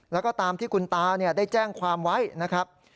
แล้วก็ตามที่คุณตาได้แจ้งความไว้นะครับ